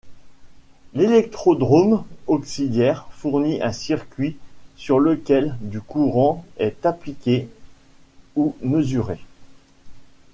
L'électrode auxiliaire fournit un circuit sur lequel du courant est appliqué ou mesuré.